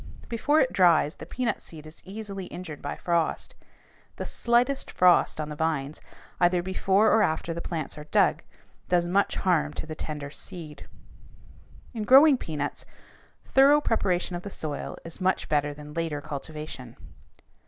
Before it dries, the peanut seed is easily injured by frost. The slightest frost on the vines, either before or after the plants are dug, does much harm to the tender seed. [Illustration: FIG. 202. A PEANUT PLANT] In growing peanuts, thorough preparation of the soil is much better than later cultivation.